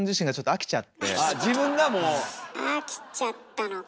飽きちゃったのか。